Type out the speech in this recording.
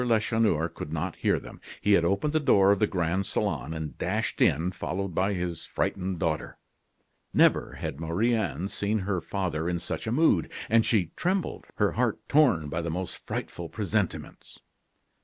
Lacheneur could not hear them. He had opened the door of the grand salon, and dashed in, followed by his frightened daughter. Never had Marie Anne seen her father in such a mood; and she trembled, her heart torn by the most frightful presentiments.